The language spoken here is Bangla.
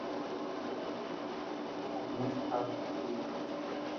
তিনি অ্যাগনেস হাস্ককে বিয়ে করেছিলেন।